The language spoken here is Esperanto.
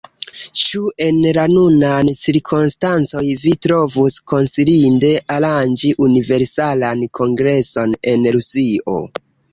Ĉu en la nunaj cirkonstancoj vi trovus konsilinde aranĝi Universalan Kongreson en Rusio?